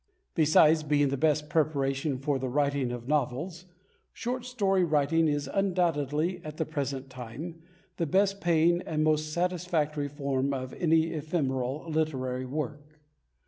Besides being the best preparation for the writing of novels, short story writing is undoubtedly, at the present time, the best paying and most satisfactory form of any ephemeral literary work.